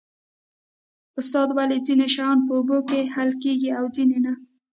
استاده ولې ځینې شیان په اوبو کې حل کیږي او ځینې نه